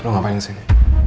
lo ngapain kesini